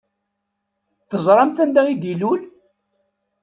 Teẓṛamt anda i d-ilul?